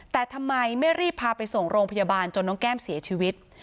แต่ทำไมไม่รีบพาไปส่งโรงพยาบาลจนน้องแก้มเสียชีวิต